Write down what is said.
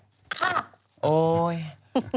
นี่ปูอคดีพลิกเหมือนมิ้งโปะแตก